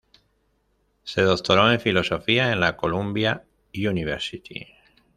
Se doctoró en Filosofía en la Columbia University.